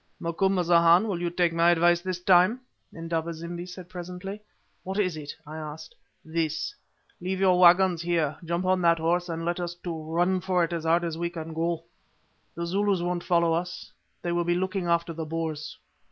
"Macumazahn, will you take my advice this time?" Indaba zimbi said, presently. "What is it?" I asked. "This. Leave your waggons here, jump on that horse, and let us two run for it as hard as we can go. The Zulus won't follow us, they will be looking after the Boers."